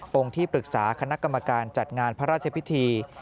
เป็นที่ปรึกษาคณะกรรมการจัดงานพระราชพิธี